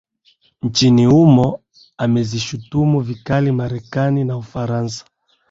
nchini humo amezishtumu vikali marekani na ufaransa